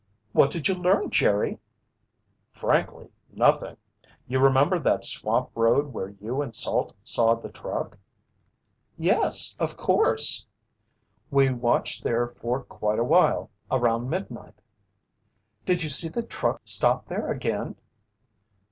"What did you learn, Jerry?" "Frankly, nothing. You remember that swamp road where you and Salt saw the truck?" "Yes, of course." "We watched there for quite awhile around midnight." "Did you see the truck stop there again?"